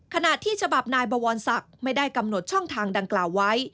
ขณะที่ฉบับนายบวรศักดิ์ไม่ได้กำหนดช่องทางดังกล่าวไว้